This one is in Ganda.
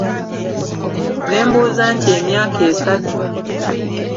Ne mbuuza nti emyaka esatu!